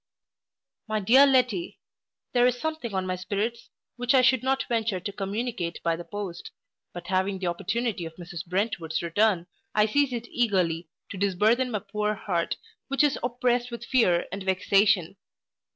MY DEAR LETTY, There is something on my spirits, which I should not venture to communicate by the post, but having the opportunity of Mrs Brentwood's return, I seize it eagerly, to disburthen my poor heart, which is oppressed with fear and vexation.